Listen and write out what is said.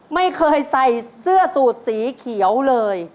ไม่เคยใส่เสื้อสูตรสีเขียวเลย